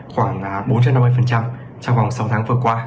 khoảng bốn trăm năm mươi trong vòng sáu tháng vừa qua